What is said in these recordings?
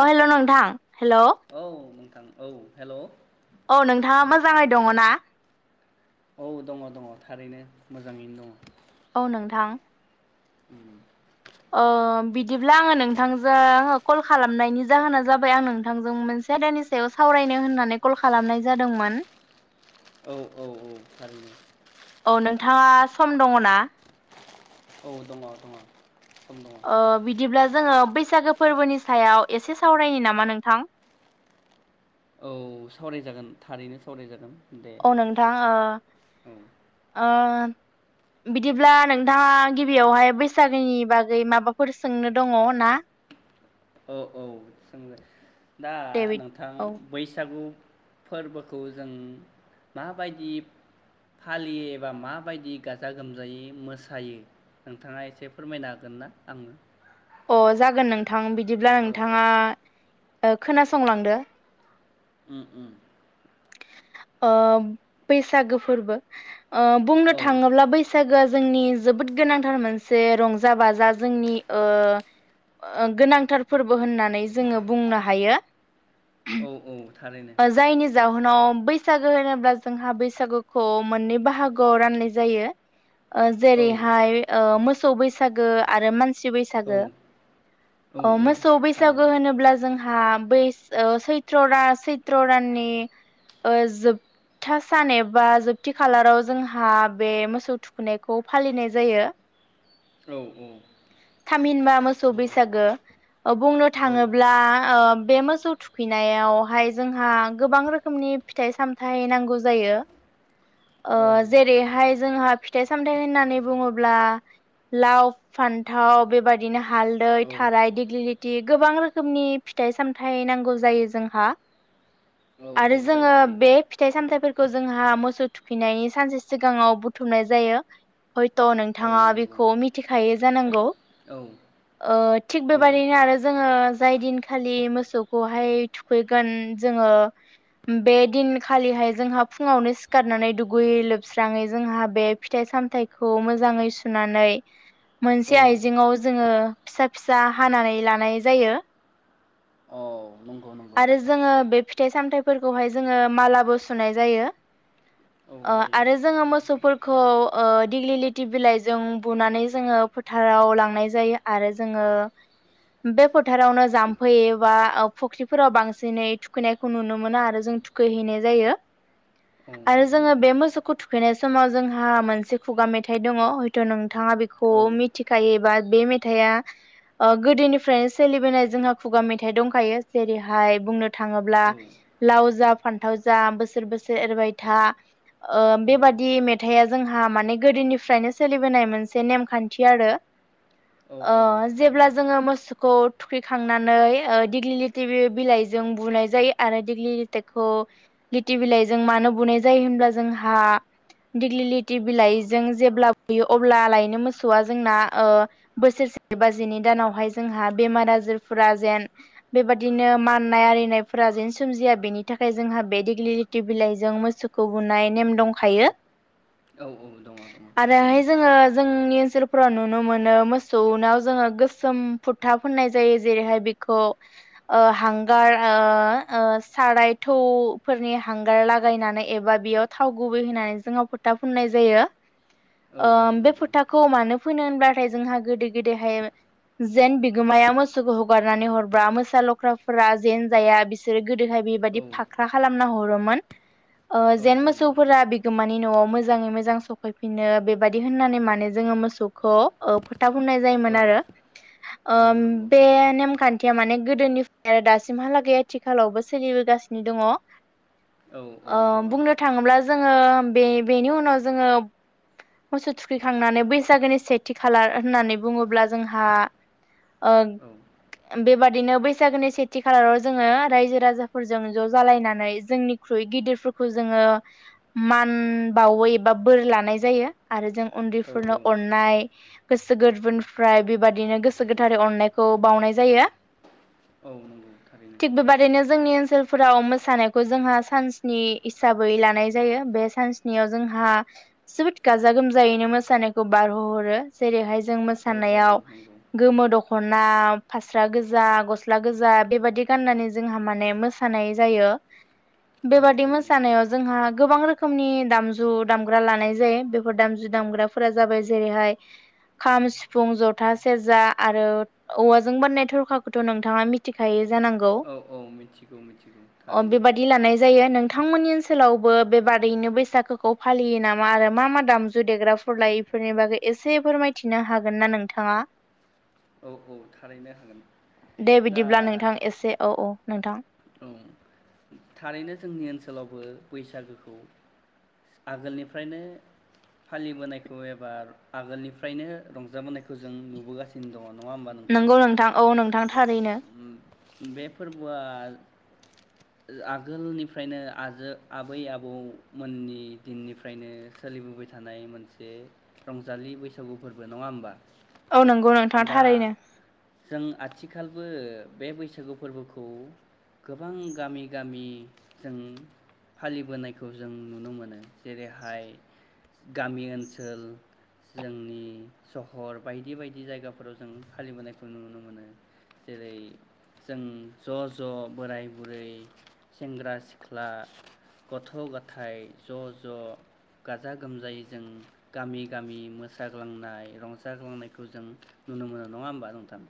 अ hello नोंथां hello औ नोंथां औ हेल' औ नोंथाङा मोजाङै दङ ना? औ दङ दङ थारैनो मोजाङैनो दङ औ नोंथां [inaudible] ओम बिदिब्ला आङो नोंथांजों आङो कल खालामनायनि जाहोना जाबाय आं नोंथांजों मोनसे आयदानि सायाव सावरायनो होननानै कल खालामनाय जादोंमोन औ औ औ थारैनो औ नोंथाङा सम दङ ना? औ दङ -दङ सम दङ ओ बिदिब्ला जोङो बैसागो फोरबोनि सायाव एसे सावरायनि नामा नोंथां? औ सावरायजागोन थारैनो सावरायजागोन। दे औ नोंथां औ ओ ओ बिदिब्ला नोंथाङा गिबियावहाय बैसागोनि बागै माबाफोर सोंनो दङ ना? औ औ सों दे दा दे नोंथां औ बैसागु फोरबोखौ जों माबायदि फालियो एबा माबायदि गाजा गोमजायै मोसायो नोंथाङा एसे फोरमायनो हागोन ना आंनो? अ जागोन नोंथां नोंथां बिदिब्ला औ औ नोंथाङा खोनासंलांदो उ उ ओ बैसागो फोरबो ओ बुंनो औ थाङोब्ला बैसागोआ जोंनि जोबोद गोनांथार मोनसे रंजा बाजा जोंनि ओ गोनांथार फोरबो होननानै जोङो बुंनो हायो। औ- औ थारैनो जायनि जाहोनाव उनाव बैसागो होनोब्ला जोंहा बैसागोखौ मोननै बाहागोआव राननाय जायो। औ जेरैहाय मोसौ बैसा बैसागो आरो मानसि औ औ बैसागो औ मोसौ बैसागो थारैनो होनोब्ला जों हा बै ओ सैत्र चैत्र दाननि ओ जोबथा सान एबा जोबथि खालाराव जोंहा बे मोसौ थुखैनायखौ फालिनाय जायो। औ औ थामहिनबा मोसौ नंगौ बैसागो ओ बुंनो औ थाङोब्ला ओ बे मोसौ थुखैनायावहाय जोंहा गोबां रोखोमनि फिथाइ सामथाइ नांगौ जायो। ओ औ जेरैहाय जोंहा फिथाइ सामथाइ होननानै बुङोब्ला लाव फान्थाव बेबायदिनो हालदै औ थाराय दिग्लि लि थि गोबां रोखोमनि फिथाइ सामथाइ नांगौ जायो जोंहा आरो औ जायो जोङो जायो बे फिथाइ सामथायफोर खौ जोंहा मोसौ थुखैनायनि सानसे सिगाङाव बुथुमनाय जायो हयथ' औ नोंथाङा नंगौ बेखौ मिथिखायो जानांगौ औ ओ थिग नंगौ बेबाददिनो आरो जोङो जाय दिनखालि मोसौखौहाय थुखैगोन जोङो बे दिनखालिहाय जोंहा फुङावनो सिखारनानै दुगै लोबस्राङै जोंहा बे फिथाइ सामथाइखौ मोजाङै सुनानै औ मोनसे आइजेङाव जोङो फिसा फिसा हानानै लानाय जायो औ नंगौ नंगौ आरो जोङो बे फि फिथाइ सामथाइफोरखौहाय जोङो मालाबो सुनाय जायो औ ओ जायो आरो जोङो नोंथां मोसौफोरखौ ओ दिग्लि लिथि बिलाइजों बुनानै जोङो फोथाराव लांनाय जायो आरो जोङो बे फोथारावनो जाम्फै एबा ओ फुख्रि फोराव बांसिनै थुखैनायखौ नुनो मोनो आरो जों थुखैहैनाय जायो औ आरो नंगौ जोङो नोंथां बे मोसौखौ थुखैनाय समाव जोंहा मोनसे खुगा मेथाइ दङ हयथ' नों थाङा बेखौ औ मिथिखायो एबा बे मेथाइआ ओ गोदोनिफ्रायनो सोलिबोनाय जोंहा खुगा मेथाइ दंखायो जेरैहाय बुंनो थाङोब्ला औ लाव जा फानथाव जा बोसोर बोसोर एरबाय था ओ औ बेबादि मेथाइआ जोंहा माने गोदोनिफ्रायनो सोलिबोनाय मोनसे नेमखान्थि आरो औ ओ औ जेब्ला थारैनो जोङो मोसौखौ थुखैखांनानै ओ दिग्लिलि थि बि बिलाइजों बुनाय जायो आरो दग्लि लिथाइखौ लिथि बिलाइजों मानो बुनाय जायो होनब्ला जोंहा दिग्लि लिथि बिलाइजों जेब्ला बुयो अब्ला लायनो मोसौआ जोंना ओ बोसोरसे बा जिनि दानावहाय जोंहा बेमार आजारफोरा जेन बेबादिनो माननाय आरिनायफोरा जेन सोमजिया बेनि थाखाय जोंहा बे देग्लि लिथि बिलाइजों मोसौखौ बुनाय नेम दंखायो औ औ दङ दङ थारैनो नि ओनसोलफोराव नुनो मोनो मोसौनाव जोङो गोसोम फुथा फोननाय जायो जेरैहाय बेखौ ओ हांगार ओ ओ साराय थौफोरनि हांगार लागायनानै एबा बेयाव थाव गुबै होनानै जोङो फोथा फुननाय जायो औ औ नंगौ खौ मानो फोनो होनब्लाथाय जोंहा गोदो गोदायहाय जेन बिगोमाया मोसौखौ हगारनानै हर बा मोसा लख्राफोरा जेन जाया बिसोरो गोदोहाय बेबायादि औ फाख्रा खालामना हरो मोन ओ औ जेन नंगौ मोसौफोरा बिगोमानि न'आव मोजाङै मोजां सफैफिनो बेबायदि होननानै माने जोङो मोसौखौ ओ फो था फुनाय जायोमोन औ आरो औ नंगौ बे थारैनो नेमखान्थि गोदोनिफ्राय आरो दासिमहालागै आथिखालावबो सोलिबोगासिनो दङ। ओ औ औ दङ बुंनो थाङोब्ला जोङो बे बेनि उनाव जोङो मोसौ थुखै खांनानै बैसागोनि सेथि खालार होननानै बुङोब्ला जोंहा ओ औ बेबादिनो बैसागोनि सेथि खालाराव जोङो रायजो राजाफोरजों ज' जालायनानै जोंनिख्रुइ गिदिरफोरखौ जोङो मान बावो एबा बोर लानाय जायो आरो जों उन्दैफोरनो औ अननाय गोसो गोरबोनिफ्राय बेबादिनो गोसो गोथारै अननायखौ बावनाय जायो। औ नंगौ थारैनो थिग बेबादिनो जोंनि ओन सोलफोराव मोसानायखौ जोंहा सानसनि हिसाबै लानाय जायो बे सानसनियाव जोंहा जोबोद गाजा गोमजायैनो मोसानायखौ बारहो हरो जेरैहाय जों औ औ मोसानायाव नंगौ गोमो दख' ख'ना फास्रा गोजा गस्ला गोजा बेबाददि गाननानै जोंहा माने मोसानाय जायो। बे औ बादि औ नंगौ मोसानायाव जोंहा गोबां रो खोमनि दामजु दामग्रा लानाय जायो बेफोर दामजु दामग्राफोरा जाबाय जेरैहाय खाम सिफुं जथा सेरजा आरो औवा जों बनाय थरखाखौथ' नोंथाङा मिथिखायो जांगौ औ औ मिथिगौ मिथिगौ अ बे थारैनो बादि लानाय जायो नों थांमोननि ओनसोलावबो बेबादैैनो बैसागोखौ फालियो नामा आरो मा मा दामजु देग्राफोरलायिफोरनि बागै एसे फोरमायथिनो हागोन ना नोंथाङा? औ औ थारैनो हागोन दे दा बिदिब्ला नोंथां एसे औ औ नोंथां औ थारैनो जोंनि ओनसोलावबो बैसागोखौ आगोलनिफ्रायनो फालिबोनायखौ एबा आगोलनिफ्रायनो रंजाबोनायखौ जों नुबोगासि दङ नङा होमबा नोंथां नंगौ औ नोंथां थारैनो बे फोरबोआ आगोलनिफ्रायनो आजो आबै आबौमोननि दिननिफ्रायनो सोलिबोबाय थानाय मोनसे रंजालि बैसागु फोरबो नङा होमबा? औ नों दा जों आथिखालबो बे बैसागु फोरबोखौ गोबां गामि गामिजों फालिबोनायखौ जों नुनो मोनो जेरैहाय गामि ओनसोल जोंनि सहर बायदि बायदि जायगा फोराव जों फालिबोनायखौ नुनो मोनो जेरै जों ज' ज' बोराय बुरै सेंग्रा सिख्ला गथ' गथाय ज' ज' गाजा गोमजायै जों गामि गामि मोसाग्लांनाय रंजाग्लांनायखौ जों नुनो मोनो नङा होमबा नोंथां?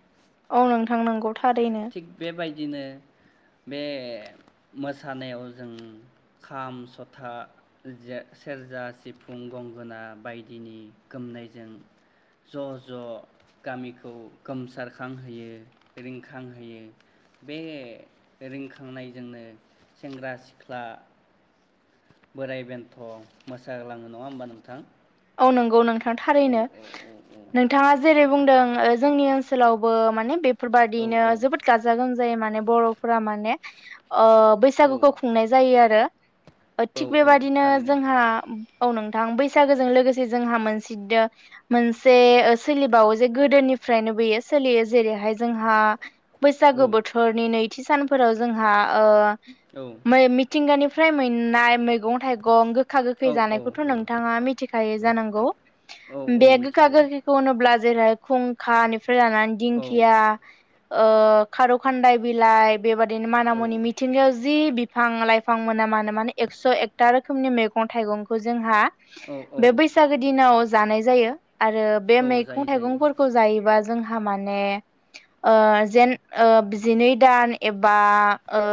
औ नोंथां नंगौ थारैनो थिग बेबायदिनो बे मोसानायाव जों खाम सथा सेरजा सिफुं गंगोना बायदिनि गोमनायजों ज' ज' गामिखौ गोमसारखांहोयो रिं खांहोयो बे रिंखांनायजोंनो सेंग्रा सिख्ला बोराय बेन्थ' मोसाग्लाङो नङा होमबा नोंथां? औ नंगौ नोंथां औ थारैनो औ नोंथाङा जेरै बुंदों जोंनि ओनोल ओनसोलावबो माने बे फोरबादियैनो औ जोबोद गाजा गोमजाय माने बर'फोरा माने ओ औ बैसागुखौ खुंनाय जायो आरो औ थिग औ बेबादिनो थारैनो जोंहा औ नोंथां बैसागो जों लोगोसे जोंहा मोनसे मोनसे सोलिबावो जे गोदोनिफ्रायनोबोयो सोलियो जेरैहाय जोंहा औ बैसागो बोथोरनि नै थि सानफोराव जोंहा ओ औ मै मिथिंगानिफ्राय फ्राय मोननाय मैगं थाइगं गोखा औ गोखै जानायखौथ' नोंथाङा मि थिखायो जानांगौ औ औ बे गोखा मिथिगौ गोखैखौ होनोब्ला जेरै खुंखानि- फ्राय लानानै औ दिंखिया ओ खार'खानदाय बिलाइ बेबादिनो माना औ मुनि मिथिंगायाव जि बिफ- बिफां लाइफां मोना मानो माने एकस' एकथा रोखोमनि मैगं थाइगंखौ जोंहा औ औ बे बैसागो दिनाव जानाय जायो आरो बे औ जायो मैगं जायो थाइगंफोरखौ जायोबा जोंहा माने ओ जेन जिनै दान एबा ओ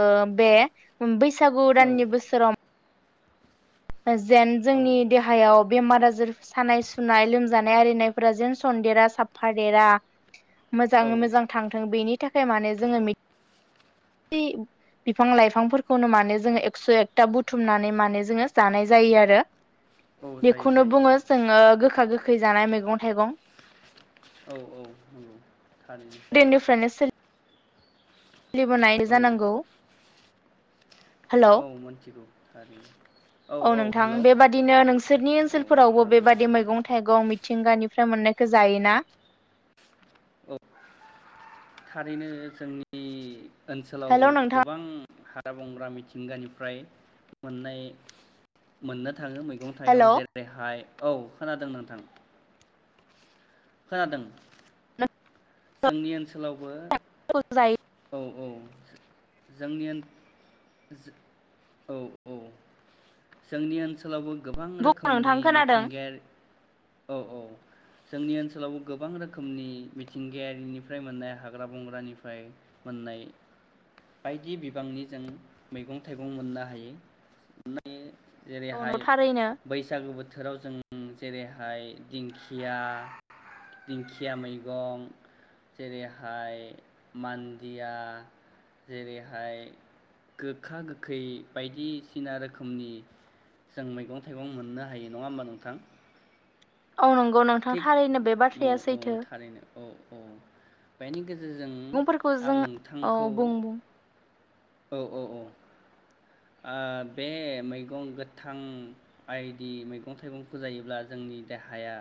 बे बैसागु दाननि बोसोराव जेन औ जोंनि देहायाव बेमार आजार सानाय सुनाय लोमजानाय आरिनायफोरा जेन सनदेरा साफादेरा औ मोजाङै मोजां थांथों बेनि नि थाखाय माने जोङो [unintelligible] बिफां लाइफांफोरखौनो माने जोङो एक्स' एकथा बुथुमनानै माने जोङो जानाय जायो आरो औ जायो जायो बेखौनो बुङो जोङो गोखा गोखै गोखै जानाय मैगं थाइगं औ औ थारैनो उनदैनिफ्रायनो सोलि- सोलिबोनाय औ जानांगौ हेलौ औ मोनथिगौ थारैनो औ नोंथां हेलौ बेबादिनो नोंसोरनि औ ओनसोलफोरावबो खोनादों बेबादि मैगं थाइगं मिथिंगानिफ्राय मोननायखौ जायोना औ थारैनो जोंनि ओनसोलावबो हेलौ नोंथां गोबां हा हाग्रा बंग्रा मिथिंगानिफ्राय मोननाय मोननो थाङो मैगं थाइगं हेलौ जेरैहाय औ खोनादों नोंथां खोनादों जोंनि ओनसो जायो ओनसोलावबो औ औ जोंनि ओन औ औ जोंनि ओनसोलावबो गोबां बुं रोखोमनि नोंथां खोनादों मिथिंगायारि औ औ जोंनि ओनसोलावबो गोबां रोखोमनि मिथिंगायारिनिफ्राय मोननाय हाग्रा बंग्रानिफ्राय मोननाय बायदि बिबांनि जों मैगं थाइगं मोननो हायो। औ न जेरैहाय थारैनो औ बैसागु बोथोराव जों जेरै या ओमफाय दिंखिया दिंखिया मैगं जेरैहाय मान्दिया जेरैहाय गोखा गोखै बायदिसिना रोखोमनि जों मैगं थाइगं मोननो हायो नङा होमबा नोंथां औ नंगौ नोंथां थिग थारैनो बे औ बाथ्राया औ सैथो थारैनो औ औ बेनि गेज मैगंफोरखौ जों औ बुं बुं औ औ औ बे मैगं गोथां बायदि मैगं थाइगंखौ जायोब्ला जोंनि देहाया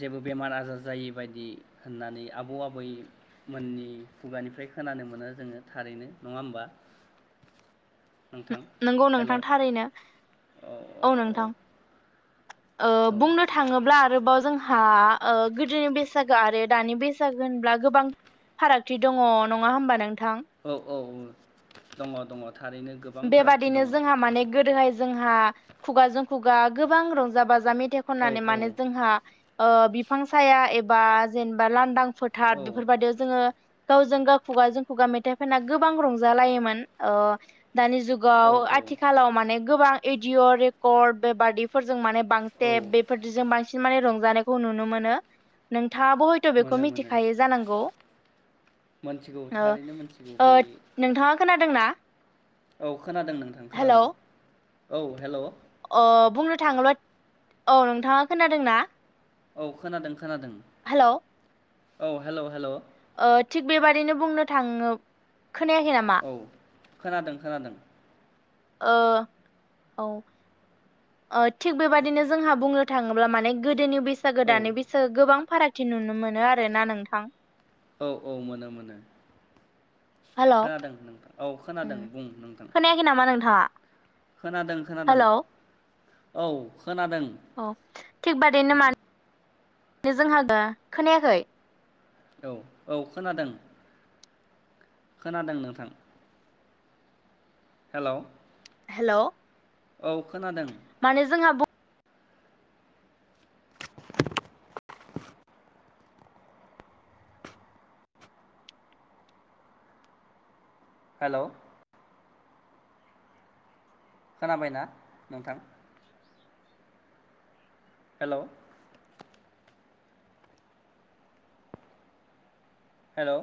जेबो बेमार आजार जायै बायदि होननानै आबौ आबैमोननि खुगानिफ्राय खोनानो मोनो जोङो थारैनो नङा होमबा नोंथां नंगौ हेल' नोंथां औ थारैनो औ नोंथां ओ औ बुंनो थाङोब्ला आरोबाव जों हा गोदोनि बैसागो आरो दानि बैसागो होनब्ला गोबां फारागथि दङ नङा होमबा नोंथा औ औ औ दङ दङ थारैनो गो बेबादिनो जोंहा माने गोदोहाय जोंहा खुगाजों खुगा गोबां रंजा बाजा जा मेथाइ औ खननानै माने जोंहा बिफां हाया एबा बा जेनेबा लांदां फोथार औ बेफोरबायदियाव जोङो गावजों गाव खुगाजों खुगा मेथाइ खनना गोबां रंजालायोमोन ओ दानि जुगाव औ आथिखालाव माने गोबां एडिअ रेकर्ड बेबादिफोर जों माने औ बांतेप बेफोरजों बांसिन माने रंजा जानायखौ नुनो मोनो नों नोंथाङाबो हयथ' बेखौ मोनो मोनो मिथिखायो जानांगौ मोनथिगौ थारैनो मोनथिगौ बे नोंथाङा खोनादों [unintelligible] ना औ खोनादों नोंथां खोनादों औ हेलौ अ बुंनो थाङोल' औ नोंथाङा खोनादोंना औ खोनादों खोनादों हेलौ औ हेलौ हेल' ओ थिग बेबादिनो बुंनो थाङो खोनायाखै नामा औ खोनादों खोनादों औ थिग बेबादिनो जोंहा बुंनो थाङोब्ला माने गोदोनि बे बैसागो औ दानै बैसागो गोबां फारागथि नुनो मोनो आरोना नोंथां औ औ मोनो मोनो हेलौ खोनादों नोंथां औ खोनादों बुं नोंथां था खोनादों खोनादों औ खोनादों औ थिग बादैनो [unintelligible] जोंहा दा खोनायाखै औ औ खोनादों खोनादों नोंथां हेल' हेल' औ खोनादों माने जोंहा बुं हेल' खोनाबायना नोंथां हेल' हेल'